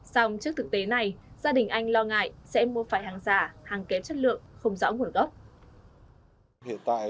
xong trước thực tế này gia đình anh lo ngại sẽ mua phải hàng giả